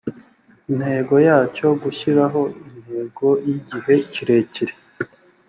intego yacyo: gushyiraho intego z’igihe kirekire